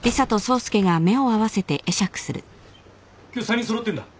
今日３人揃ってんだ。